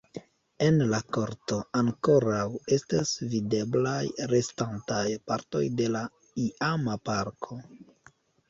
En la korto ankoraŭ estas videblaj restantaj partoj de la iama parko.